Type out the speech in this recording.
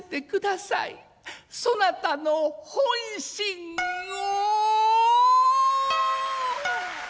そなたの本心を！」。